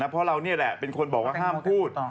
เพราะเรานี่แหละเป็นคนบอกว่าห้ามพูด